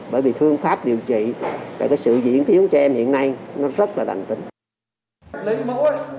bởi vì phương pháp điều trị và cái sự diễn tiến cho em hiện nay nó rất là đành tính